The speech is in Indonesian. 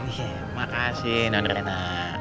iya makasih nondrena